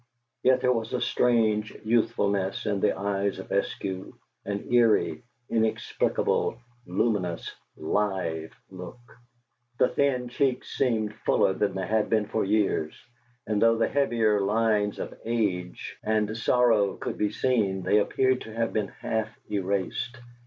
Yet there was a strange youthfulness in the eyes of Eskew; an eerie, inexplicable, luminous, LIVE look; the thin cheeks seemed fuller than they had been for years; and though the heavier lines of age and sorrow could be seen, they appeared to have been half erased.